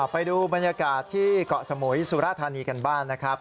ไปดูบรรยากาศที่เกาะสมุยสุราธานีกันบ้านนะครับ